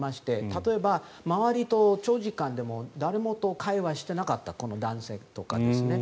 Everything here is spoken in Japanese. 例えば、周りと、長時間でも誰とも会話していなかったこの男性とかですね。